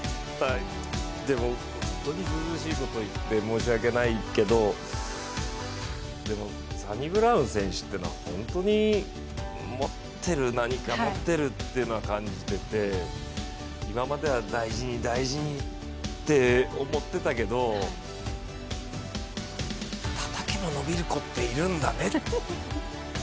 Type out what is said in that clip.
でも、本当にずうずうしいこと言って申し訳ないけどでもサニブラウン選手ってのは、ホントに何か持ってるってのは感じてて今までは大事に大事にって思ってたけどたたけば伸びる子っているんだね。